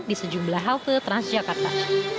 di sejumlah halte tras jakarta